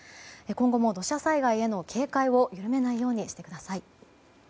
今後も土砂災害への警戒を緩めないようにしてください。